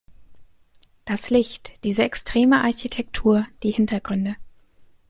Das Licht, diese extreme Architektur, die Hintergründe.